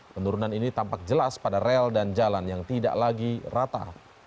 penurunan ini tampak jelas pada rel dan jalan yang tidak lagi rata